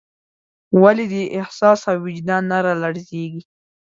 ولې دې احساس او وجدان نه رالړزېږي.